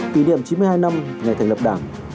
kỷ niệm chín mươi hai năm ngày thành lập đảng